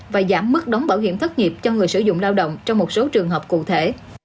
và giảm mức đóng bảo hiểm thất nghiệp cho người sử dụng lao động trong một số trường hợp cụ thể